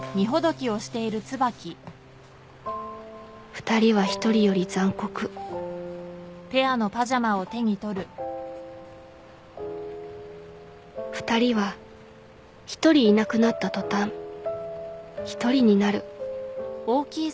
２人は１人より残酷２人は１人いなくなった途端１人になる